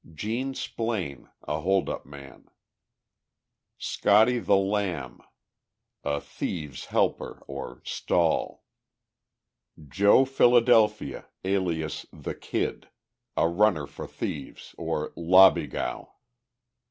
GENE SPLAINE, a hold up man. "SCOTTY THE LAMB," a thieves' helper, or "stall." JOE PHILADELPHIA, alias "The Kid," a runner for thieves, or "lobbygow."